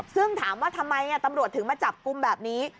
ซึ่งถามว่าทำไมตำรวจถึงมาจับกลุ่มแบบนี้